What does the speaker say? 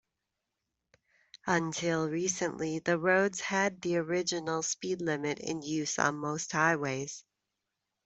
Until recently, the roads had the original speed limit in use on most highways.